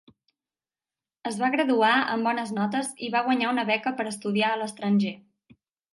Es va graduar amb bones notes i va guanyar una beca per estudiar a l'estranger.